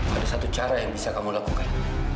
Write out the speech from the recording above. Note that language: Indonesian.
ada satu cara yang bisa kamu lakukan